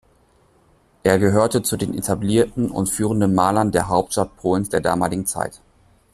Er gehörte zu den etablierten und führenden Malern der Hauptstadt Polens der damaligen Zeit.